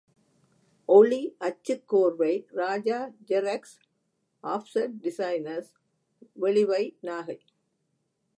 ஒளி அச்சுக்கோர்வை Raja xerox offset designers, வெளிவை, நாகை.